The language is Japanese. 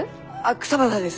草花です。